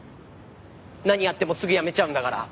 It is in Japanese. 何やってもすぐやめちゃうんだから。